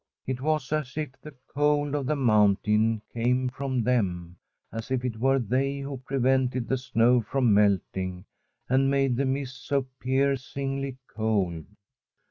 It was as if the cold of the mountain came from them, as if it were they who prevented the snow from melting and made the mist so pierc in^y cold.